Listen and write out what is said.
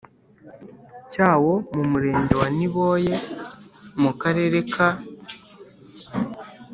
cyawo mu Murenge wa Niboye mu Karere ka